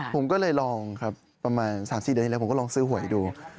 ผมก็เลยลองครับประมาณ๓๔เดือนแล้วผมก็ลองซื้อหวยดู